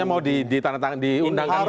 jadi maksudnya mau diundangkan dulu